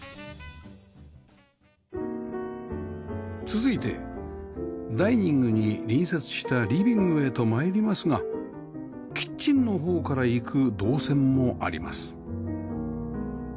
続いてダイニングに隣接したリビングへと参りますがキッチンの方から行く動線もあります